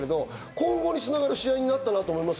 今後に繋がる試合になったと思います。